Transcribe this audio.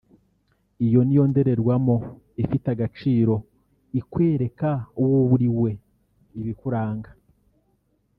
Iyo niyo ndorerwamo ifite agaciro ikwereka uwo uri we (ibikuranga)